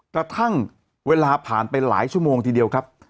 กระทั่งเวลาผ่านไปหลายชั่วโมงทีเดียวครับ